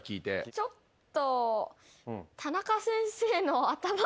ちょっと。